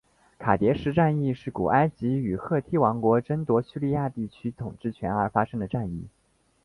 卡迭石战役是古埃及与赫梯王国争夺叙利亚地区统治权而发生的战役。